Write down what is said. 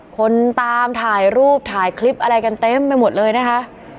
คนตามถ่ายรูปถ่ายคลิปอะไรกันเต็มไปหมดเลยนะคะ